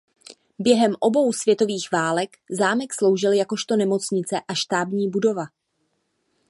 Během obou světových válek zámek sloužil jakožto nemocnice a štábní budova.